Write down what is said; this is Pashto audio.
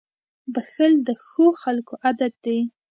• بښل د ښو خلکو عادت دی.